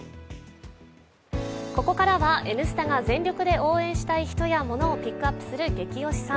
ここからは「Ｎスタ」が全力で応援したい人や物をピックアップするゲキ推しさん。